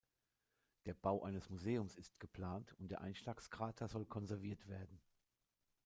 Der Bau eines Museums ist geplant und der Einschlagskrater soll konserviert werden.